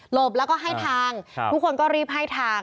บแล้วก็ให้ทางทุกคนก็รีบให้ทาง